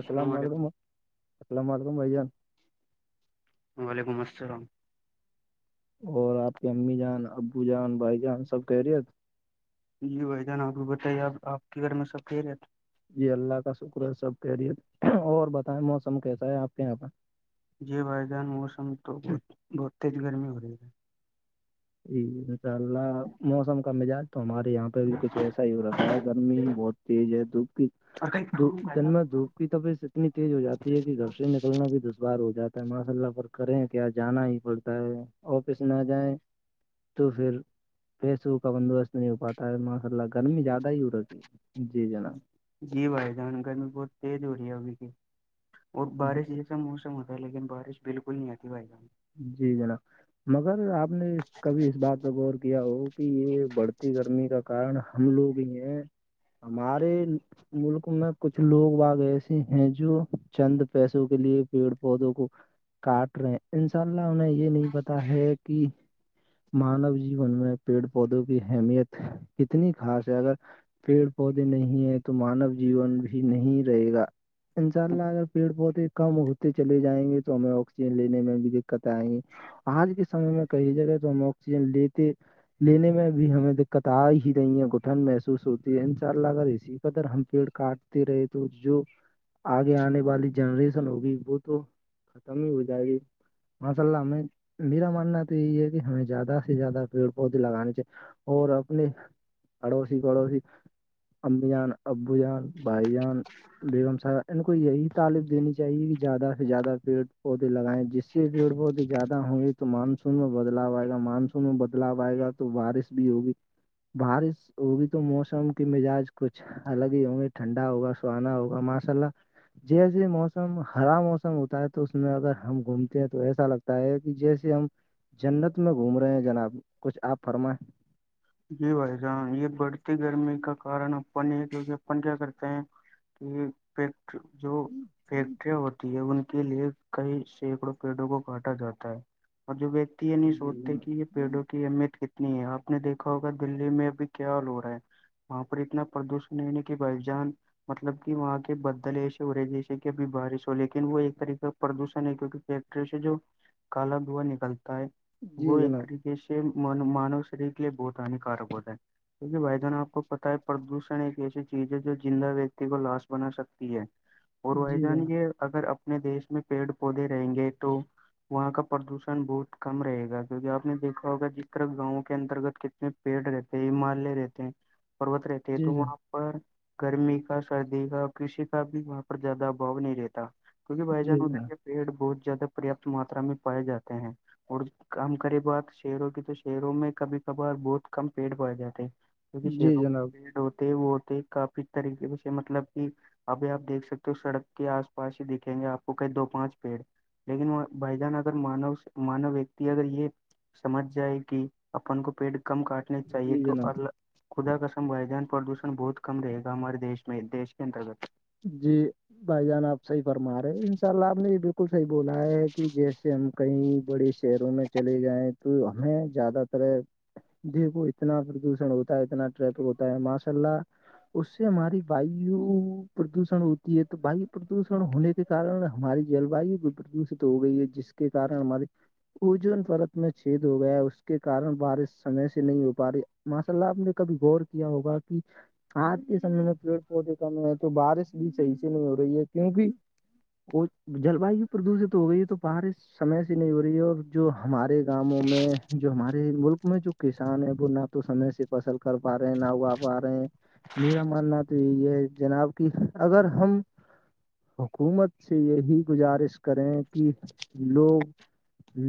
السلام علم السلام عکلم بھ جان وعلیکم السلام اور آپ کی امی جان ابو جان بھائی جان سب کہہ رہی جی بھائی جان آپ بھی بتائیے آپ آپ کے گھر میں سب ک رہے تھ جی اللہ کا شکر ہے سب کہہرییے اور بتائیں موسم کیسا ہے آپ کے یہاں پر جی بھائی جان موسم تو بہت بہت تیز گرمی ہو رہی ہے جی انشاء اللہ موسم کا مزاج تو ہمارے یہاں ھی کچھ ایسا ہی ہو رکھا ہے گرمی بہت تیز ہے دپ کی د دن میں دھوپ کی تبیعت اتنی تیز ہو جاتی ہے کہ گھر سے نکلنا بھی د بار ہو جاتا ہے ماشاء اللہ فر کریں کہ جانا ہی پڑتا ہے آفس نہ جائیں تو پھر پیسو کا بندوبست نہیں ہو پاتا ہے ماشاء اللہ گرمی زیادہ ہی ہو رہ ہے جی جناب جی بھائی جان گرمی بہت تیز ہو رہی ہے ابھی کی اور بارش ایسا موسم ہوتا لیکن بارش بالکل نہیں آتی بھائی گ جی جناب مگر آپ آپ نے کبھی اس بات کا غور کیا ہو کہ یہ بڑھتی گرمی کا کارن ہم لوگ ہیں ہمارے ملک میں کچھ لوگ باگ ایسے ہیں جو چند پیسوں کے لیے پیڑ پودوں کو کاٹ رہے ہیں انشاء اللہ انہیں یہ نہیں پتا ہے کہ مانو جیون میں پیڑ پودوں کی اہمیت کتنی خاص ہے اگر پیڑ پودے نہیں ہیں تو مانو جیون بھی نہیں رہے گا انشاء اللہ اگر پیڑ بہت ہی کم ہوتے چلے جائیں گے تو ہمیں آکسیجن لینے میں دقتیں آئی ہیں آج کے سمے میں کہئی جگہ تو ہم آکسیجن لیتے لینے میں بھی ہمیں دقت آ ہی نہیںی ہے گٹھن محسوس ہوتی ہے ان شاء اللہ اگر اسی قدر ہم پیڑ کاٹتے رہے تو جو آگے آنے والی جنریشن ہوگی وہ تو ختم ہی ہو جائے گی ماشاء اللہ ہمیں میرا ماننا تو یہی ہے کہ ہمیں زیادہ سے زیادہ پیڑ پودے لگانے چاہی اور اپنے پڑوسی پڑوسی امی جان ابو جان بھائی جان بیگم صاحب ان کو یہی تعالب دینی چاہیے کہ زیادہ سے زیادہ پیڑ پودے لگائیں جس سے بھیڑ بہت زیادہ ہوںگی تو مانسون میں بدلاؤ آئے گا مانسون میں بدلاو آئے گا تو بارش بھی ہوگی بارش ہوگی تو موسم کے مزاج کچھ الگ ہی ہوں گے ٹھنڈا ہوگا سہانا ہوگا ماسا اللہ جیسے موسم ہرا موسم ہوتا ہے تو اس میں اگر ہم گوم تو ایسا لگتا ہے کہ جیسے ہم جنت میں گھوم رہے ہیں جناب کچھ آپ فرمائیں جی بھائی جان یہ بڑھتی گرمی کا کارن اپن یہ کیونکہ اپن کیا کرتے ہیں کہ فیکٹ جو فیکٹریاں ہوتی ہے ان کے لیے کئی سینکڑوں پیڑوں کو کاٹا جاتا ہے اور جو ویکتی یہ نہیں سوچتے کہ یہ پیڑوں کی اہمیت کتنی ہے آپ نے دیکھا ہوگا دللی میں ابھی کیا لو رہا ہے وہاں پر اتنا پردوشن نہیں نہیں کہ بائیجان مطلب کہ وہاں کے بدل ایسے ہو رہے جیسے کہ ابھی بارش ہو لیکن وہ ایک طریق پردوشن ہے کیونکہ فیکٹری سے جو کالا دھوا نکلتا ہے جی وہ ایک جناب طریقے سے م مانو شریر کے لیے بہت ہانیکارک ہوتا ہے کیکہ بھائی جان آپ کو پتتا ہے پردوشن ایک ایسی چیز ہے جو زندہ ویکتی کو لاش بنا سکتی ہے اور بھائی جی جان جناب یہ اگر اپنے دیش میں پیڑ پودے رہیں گے تو وہاں کا پردوشن بہت کم رہے گا کیوںکہ آپ نے دیکھا ہوگا جس طرح گاؤں کے انترگت کتنے پیڑ رہتے ہیں ہمالیہ رہتے ہیں پوت رہتے ہے جی تو جناب وہاں پر گرمی کا سردی کا کسی کا بھی وہاں پر زیادہ ابھاؤ نہیں رہتا کیونکہ بھائی جان جی ہوتے جناب کہ پیڑ بہت زیادہ پریاپت ماتا میں پائے جاتے ہیں اور ہم کرے بات شہروں کی تو شہروں میں کبھی کبار بہت کم پیڑ پائے جاتے ہیں کیہ جی جناب جی شہروں میں جناب پیڑ ہوتے وہ ہوتے کافی ک طریقے پ مطلب کہ ابھی آپ دیکھ سکتے ہو سڑک کے آس پاس ہی دکھیں گے آپ کو کہیں دو پانچ پیڑ لیکن بھ جان اگر مانو مانو ویکتی اگر یہ سمجھ جائے کہ اپن کو پیٹ کم کاٹنے چاہیے جی تو جناب ال خدا کسم ودان پردوشن بہت کم رہے گا ہمارے دیش میں دیش کے انترگت جی بھائی جان آپ صحی فرما رہے ہیں ان شاء اللہ آپ نے یہ بالکل صحیح بولایا ہے کہ جیسے ہم کہیں بڑے سے شہروں میں چلے گئے تو ہمیں زیادہ تر دیکھو اتنا پردوشن ہوتا ہے اتنا ٹریفک ہوتا ہے ماشاء اللہ اس سے ہماری وائیو پردوشن ہوتی ہے تو وایو پردوشن ہونے کے کن ہماری جلوایو بھی پردوشت ہو گئی ہے جس کے کی کارن ہے ہماری اجون پرت میں چھید ہو گیا اس کے کارن بارش سمے سے نہیں ہو پا رہی ماشاء اللہ آپ نے کبھی غور کیا ہوگا کہ آاتھ کے سمے میں پیڑ پودے کا تو بارش بھی صحیح سے نہیں ہو رہی ہے کیونکہ وہ جل وایو پردوشت ہو گئی ہے تو بارش سمے سے نہیں ہو رہی ہے اور جو ہمارے گاؤوں میں جو ہمارے ملک میں جو کسان ہے وہ نہ تو سمے سے فصل کر پا رہے ہیں نہ اگا پا رہے ہیں میرا ماننا تو یہی ہے جناب کہ اگر ہم حکومت سے یہی گزارش کریں کہ لوگ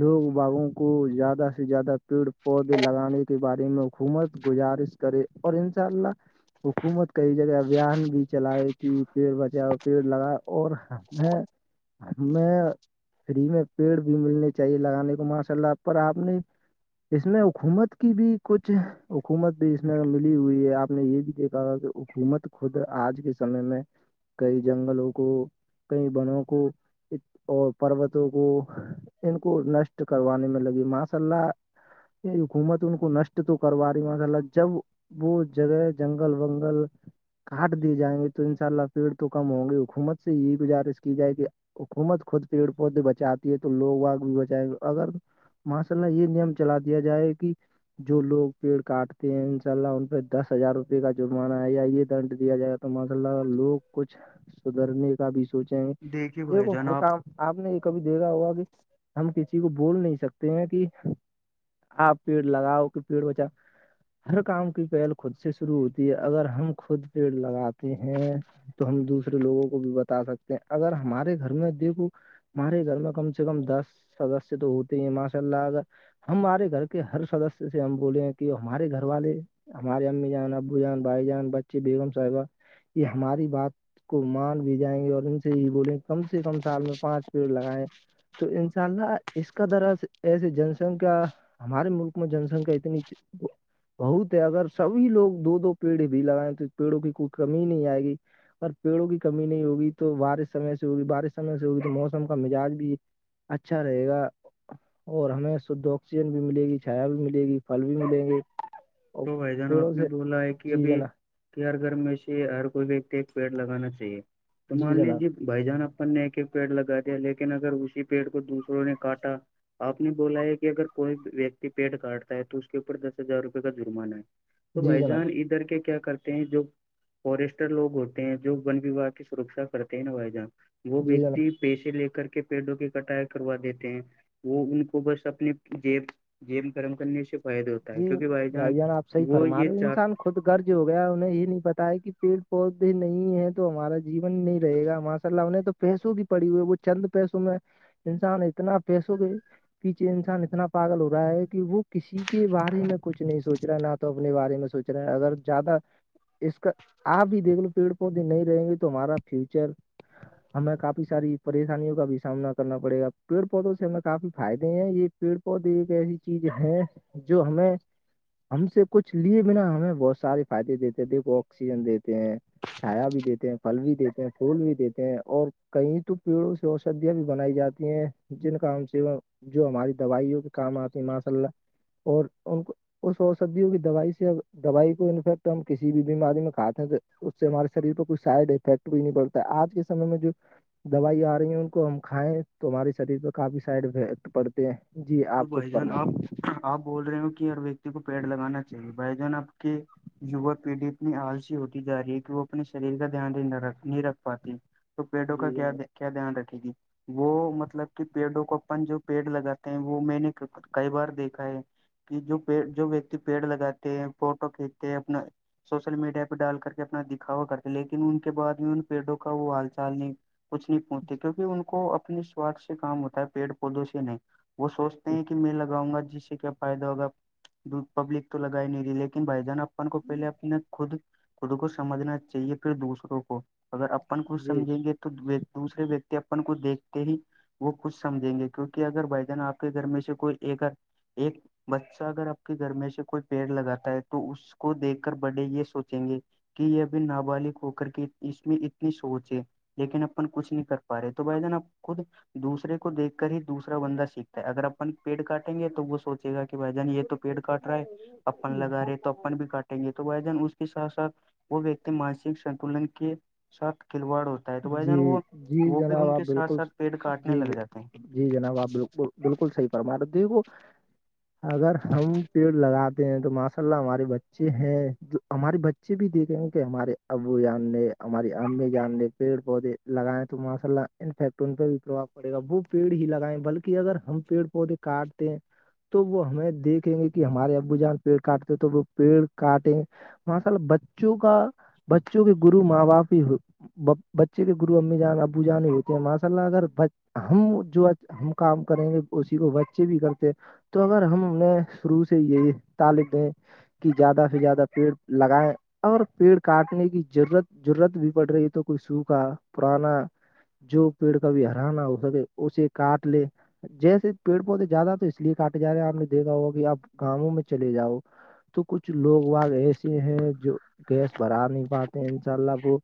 لوگ باغوں کو زیادہ سے زیادہ پیڑ پودے لگانے کے بارے میں حکومت گزارش کرے اور انشاء اللہ حکومت کئی جگہ ا بیان بھی چلائے کہ پیڑ بچاؤ پیڑ لگاؤ اوریں ہمیں فری میں پیڑ بھی ملنے چاہیے لگانے کو ماشاء اللہ پر آپ نے اس میں حکومت کی بھی کچھ حکومت بھی اس میں ملی ہوئی ہے آپ نے یہ بھی دیکھا تھا کہ حکومت خود آج کے سمے میں کئی جنگلوں کو کئی بنوں کو اور پروتوں کو ان کو نشٹ کروانے میں لگی ماشاء اللہ یہ ح گومت انن کو نشٹ تو کر رہی م اطل جب بہت جگہ جنگل ونگل کاٹ دیے جائیں گے تو ان شاء اللہ پیڑ تو کم ہوں گے حکومت سے یہی گزارش کی جائے گ کہ حکومت خود پیڑ پودے بچاتی ہے تو لوگ واگ بھی بچائے گ اگر ماشاء اللہ یہ نیم چلا دیا جائے کہ جو لوگ پیڑ کاٹتے ہیں ان شاء اللہ ان پہ دس ہزار روپئے کا جرمانہ ہے یا یہ دنڈ دیا جائے تو ماشاء اللہ لوگ کچھ سدھرنے کا بھی سوچیں گے دیکھیے بھائی دیکو جان ہر کام آپ نے یہ کبھی دیکھا ہوگا کہ ہم کسی کو بول نہیں سکتے ہیں کہ آپ پیڑ لگاؤ کہ پیڑ بچؤ ہر کام کی پہل خود سے شروع ہوتی ہے اگر ہم خود پیڑ لگاتے ہیں تو ہم دوسرے لوگوں کو بھی بتا سکتے ہیں اگر ہمارے گھر میں دیکھو ہمارے گھر میں کم سے کم دس سدسیہ تو ہوتے ہیں ماشاء اللہ اگر ہمارے گھر کے ہر سدس سے ہم بولے ہیں کہ ہمارے گھر والے ہمارے امی جان ابو جان بھائی جان بچے بیگم صاحبہ یہ ہماری بات کو مان بھی جائیں گے اور ان سے یہ بولیں کم سے کم سال میں پانچ پیڑ لگائےیں تو انشاء اللہ اس کا درا ایسے جن سنکھیا ہمارے ملک میں جن سنکھیا اتنی بہت ہے اگر سبھی لوگ دو دو پیڑ بھی لگائےیں تو پیڑوں کی کوئی کمی ہی نہیں آئے گی ا پیڑوں کی کمی نہیں ہوگی تو بارش سمے سے ہوگی بارش سمے سے ہوگی تو موسم کا مزاج بھی اچھا رہے گا اور ہمیں شھ آکسیجن بھی ملے گی چھایا بھی ملے گی پھل بھی ملیں گے اور تو بھائی جان پیڑوں آپ نے سے بولا ہے کہ جی ابھی جناب کہ ہر گھر میں سے ہر کوئی ویکتی ایک پیڑ لگانا چاہیے تو جی مان جناب لیجیے بھائی جان اپن نے ایک ایک پیڑ لگا دیا لیکن اگر اسی پیڑ کو دوسروں نے کاٹا آپ نے بولا ہے کہ اگر کوئی ویکتی پیٹ کاٹتا ہے تو اس کے اوپر دس ہزار روپ کا جرمانہ ہے تو جی بھائی جناب جان ادھر کے کیا کرتے جو فورسٹر لوگ ہوتے ہیں جو ون وواہ کی سرکشا کرتے ہیں ن بائی جہاں وہ جی جناب ویکتی پیسے لے کر کے پیڑوں کی کٹائی کروا دیتے ہیں وہ ان کو بس اپنے جیب جیب گرم کرنے سے فائدہ ہوتا ہے جی کہ بھائی جان آپ صحیح وہ فرما یہ رہے ہو۔ چاہ انسان خود گرج ہو گیا انہیں یہ نہیں بتایا کہ پیڑ پودے نہیں ہے تو ہمارا جین نہیں رہے گا ہم سلہ نے تو پیسوں کی پڑی ہوئی ہے وہ چند پیسوں میں انسان اتنا پیسوں کے پیچھے انسان اتنا پاگل ہو رہا ہے کہ وہ کسی کے بارے میں کچھ نہیں سوچ رہا ہے نہ تو اپنے بارے میں سوچ رہے ہیں اگر زیادہ اس کا آپ بھی دیکھ لو پیڑ پودے نہیں رہیں گے تو ہمارا فیوچر ہمیں کافی ساری پریشانیوں کا بھی سامنا کرنا پڑے گا پیڑ پودوں سے ہمیں کافی فائدے ہیں یہ پیڑ پودے ایک ایسی چیز ہے جو ہمیں ہم سے کچھ لیے بنا ہمیں بہت سارے فائدے دیتے ہیں دیکھو آکسیجن دیتے ہیں چایا بھی دیتے ہیں پھل بھی دیتے ہیں پھول بھی دیتے ہیں اور کہیں تو پیڑوں سے جو اوشدھیاں بھی بنائی جاتی ہیں جن کام سے وہ جو ہماری دوائیوں کے کام آتے ہیں ماشاء اللہ اور ان کو وہ سوچ سبدی ہو کہ دوائی سے دوائی کو انفیکٹ ہم کسی بھی بیماری میں کھاتے ہیں تو اس سے ہمارے شریر پ کوئی سائڈ افیکٹ بھی نہیں پڑتا آج کےمے میں جو دوائیاں آ رہی ہیں ان کو ہم کھائیں تو ہمارے شریر پ کافی سائڈ افیکٹ پڑتے ہیں جی تو آپ کچھ بھائی جان فرمائیں آپ آپ بول رہے ہو کہ ہر ویکتی کو پیڑ لگانا چاہیے بھائی جان آپ کے یوا پیڑھی اتنی آالسی ہوتی جا رہی ہے کہ وہ اپنے شریر کا دھیانکھ نہیں رکھ پاتی تو پیڑوں کا جی کیا جناب کیا دھیان رکھے گی وہ مطلب کہ پیڑوں کو اپن جو پیڑ لگاتا وہ میں نے کئی بار دیکھا ہے کہ جو پ جو ویکتی پیڑ لگاتے ہیں فوٹو کھینچتے ہیں اپنا سوشل میڈیا پہ ڈال کر کے اپنا دکھاوا کرتے لیکن ان کے بع بھی ان پیڑوں کا وہ حال چال نہیں کچھ نہیں پہچتے کیونکہ ان کو اپنے سوارھ سے کام ہوتا ہے پیڑ پودوں سے نہیں وہ سوچتے ہیں کہ میں لگاؤں گا جس سے کیا فائدہ ہوگا پبلک تو لگائی ہی نہیں رہی لیکن بھائی جان اپن کو پہلے اپنے خود خود کو سمجھنا چاہیے پھر دوسروں کو اگر اپن خود جی سمجھیں گے تو تو دوسرے ویکتی اپن کو دیکھتے ہی وہ خچھ سمجھیں گے کیونکہ اگر ب آپ کے گھر میں سے کوئی ایکر ایک بچہ اگر آپ کے گھر میں سے کوئی پیڑ لگاتا ہے تو اس اس کو دیکھ کر بڑے یہ سوچیں گے کہ یہب نابالغ ہو کر کے اس میں اتنی سوچ ہے لیکن اپن کچھ نہیں کر پا رہے تو بھائی جان خود دوسر کو دیکھ کر ہی دوسرا بندہ سیکھتا ہے اگر اپن پیٹ کاٹ ٹیں گے تو وہ سوچےا کہ بھائی جان یہ تو پڑ کاٹ رہا ہے اپن ہ لگا رہے تو اپن بھی کاٹیں گے تو بھ جان اس ساتھ ساتھ وہ ویکتی مانسک سنتلن کے ساتھ کھلواڑ ہوتے تو بھائی جان جی وہ جی وہ بھی جناب ان آپ کے ساتھ بالکل ساتھ پیڑ کاٹنے جی لگ جاتے ہیں جی جناب آپ بالکل بالکل صحی فرما رہ دی کو اگر ہم پیڑ لگاتے ہیں تو م مس ہمارے بچے ہیں ہمارے بچے بھی دیکھیں گے کہ ہمارے ابو یان نے ہماری امی جان لی پڑ پودے لگائیں تو ماشاء اللہ انفیکٹ ان پہ بھی پربھؤ پڑے گا وہ پیڑ ہی لگائیں بلکہ اگر ہم پیڑ وہد کارٹتے تو وہ ہمیں دیکھیں گے کہ ہمارے ابو جان پیڑ کاٹتے ہیں تو وہ پیڑ کاٹیں ماشاء بچوں کا بچوں کے گرو ماں باپ ہی بچے کے گرو امی جان ابو جان ہی ہوتے ہیں ماشاء اللہ اگر ہم جو ہم کام کریں گے اسی کو بچے بھی کرتے تو اگر ہم نے شروع سے یہی تعالق دیں کہ زیادہ سے زیادہ پیڑ لگائےیں اگر پیڑ کاٹنے کی ضرورت ضرورت بھی پڑ رہی ہے تو کوئی سوکھا پرانا جو پیڑ کا بھی ہرا نہ ہو سکے اسے کاٹ لے جیسے پیڑ پودے زیادہ تو اس لیے کاٹے جا رہے ہیں آپ نے دیکھا ہوگا کہ آپ گاؤوں میں چلے جاؤ تو کچھ لوگ واگ ایسے ہیں جو گیس بھرا نہیں پاتے ہیں انشاء اللہ وہ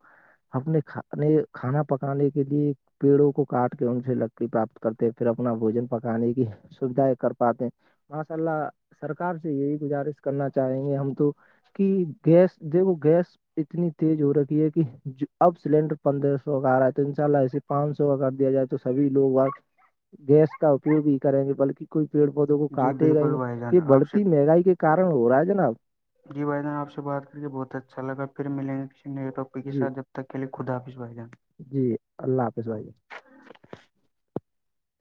اپنے کھے کھانا پکانے کے لیے پیڑوں کو کاٹ کے ان سے لکڑی پراپت کرتے پھر اپنا بوجن پکانے کی سوھائیں کر پاتے ہیں ماشاء اللہ سرکار سے یہی گزارش کرنا چاہیں گے ہم تو کہ گیس د وہ گیس اتنی تیز ہو رکی ہے کہ اب سلینڈر پندرہ سو کا آ رہا ہے تو ان شاء اللہ ایے پانچ سو کا کر دیا جائے تو سھی لوگ ب گیس کا اپیوگ ہی کریں گے بلکہ کوئی پیڑ پودوں کو جی کاٹے گا ہی بالکل نہیں بھائی جان یہ آپ سے بڑھتی مہنگائی کے کارن ہو رہا ہے جناب جی بائی جان آ سے بات کر کے بہت اچھا لا پھر ملیں گے کسی نیٹپی کے جی سات جب ت کےے خافظ بھ جان جی اللہ حافظ بھائی